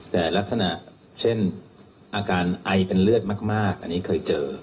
แต่ลักษณะเช่นอาการไอเป็นเลือดมากอันนี้เคยเจอ